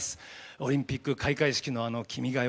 オリンピック開会式の「君が代」